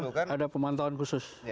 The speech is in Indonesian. memang ada pemantauan khusus